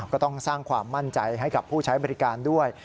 ก็ต้องสร้างความมั่นใจให้กับผู้ใช้บริการด้วย